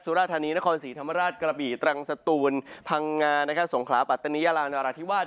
ราธานีนครศรีธรรมราชกระบี่ตรังสตูนพังงานะครับสงขลาปัตตานียาลานราธิวาส